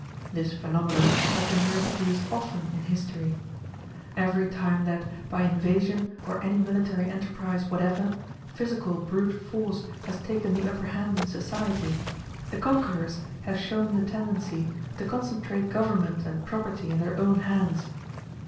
This phenomenon has been reproduced often in history. Every time that, by invasion or any military enterprise whatever, physical brute force has taken the upper hand in society, the conquerors have shown the tendency to concentrate government and property in their own hands.